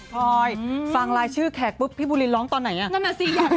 ถอยฟังไลน์ชื่อแขกปุ๊บพี่บุรินร้องตอนไหนอ่ะ